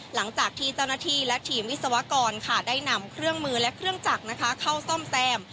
หลังจากที่เจ้าหน้าที่และทีมวิศวกรได้นำเครื่องมือและเครื่องจักรเข้าซ่อมแซม